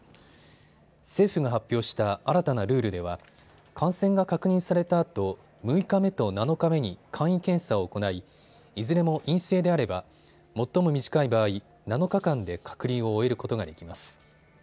政府が発表した新たなルールでは感染が確認されたあと６日目と７日目に簡易検査を行い、いずれも陰性であれば最も短い場合、７日間で隔離を終えることができます。